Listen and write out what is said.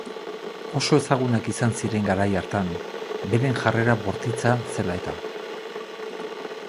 Oso ezagunak izan ziren garai hartan, beren jarrera bortitza zela-eta.